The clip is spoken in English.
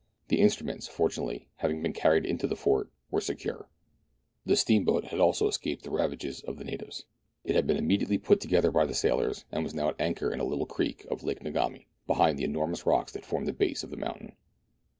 The instruments fortunately, having been carried into the fort, were secure, The steamboat had also escaped the ravages of the natives ; it had been immediately put together by the sailors, and was now at anchor in a little creek of Lake Ngami, behind the enormous rocks that formed the base of the mountain.